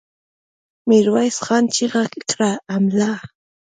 ميرويس خان چيغه کړه! حمله!